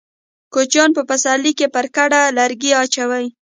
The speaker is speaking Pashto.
کوچيان په پسرلي کې پر کډه لرګي اچوي.